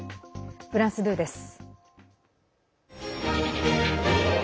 フランス２です。